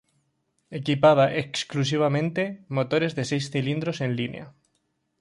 Equipaba exclusivamente motores de seis cilindros en línea.